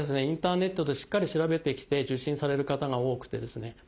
インターネットでしっかり調べてきて受診される方が多くてですね